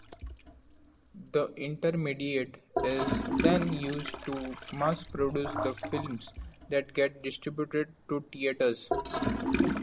The intermediate is then used to mass-produce the films that get distributed to theaters.